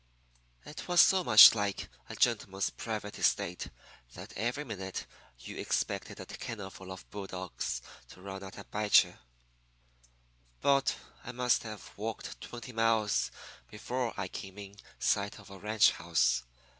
It was so much like a gentleman's private estate that every minute you expected a kennelful of bulldogs to run out and bite you. But I must have walked twenty miles before I came in sight of a ranch house.